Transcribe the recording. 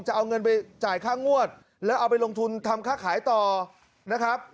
จะเอาเงินไปจ่ายค่างวดแล้วเอาไปลงทุนทำค่าขายต่อนะครับ